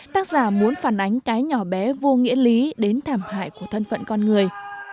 tác giả muốn phản ánh cái nhỏ bé vô nghĩa lý đến thảm hại của thân phận con người